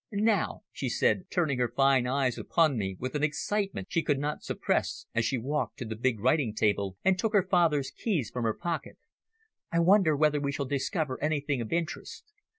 "Now," she said, turning her fine eyes upon me with an excitement she could not suppress as she walked to the big writing table and took her father's keys from her pocket, "I wonder whether we shall discover anything of interest.